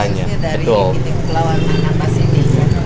khususnya dari ketinggian kelawanan anambas ini